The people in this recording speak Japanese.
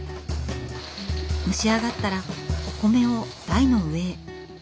蒸し上がったらお米を台の上へ。